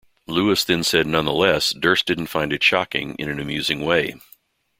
Lewis then said nonetheless, Durst didn't find it shocking in an amusing way.